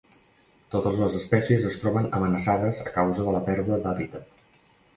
Totes les espècies es troben amenaçades a causa de la pèrdua d'hàbitat.